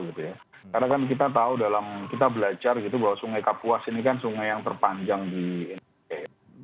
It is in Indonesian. karena kan kita tahu dalam kita belajar gitu bahwa sungai kapuas ini kan sungai yang terpanjang di indonesia